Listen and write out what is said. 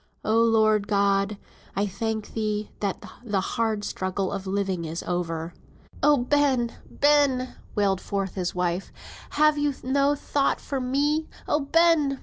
"Oh Lord God! I thank thee, that the hard struggle of living is over." "Oh, Ben! Ben!" wailed forth his wife, "have you no thought for me? Oh, Ben!